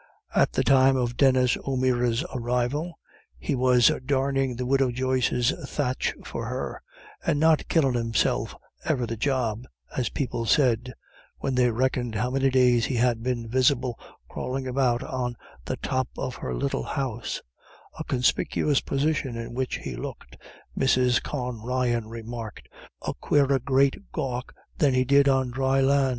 At the time of Denis O'Meara's arrival, he was darning the widow Joyce's thatch for her, and "not killin' himself ever the job," as people said, when they reckoned how many days he had been visible crawling about on the top of her little house, a conspicuous position in which he looked, Mrs. Con Ryan remarked, "a quarer great gawk than he did on dry lan'."